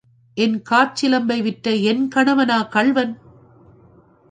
என் காற்சிலம்பை விற்ற என் கணவனா கள்வன்?